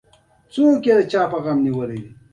مجاهد د خپلو ارمانونو لپاره جنګېږي.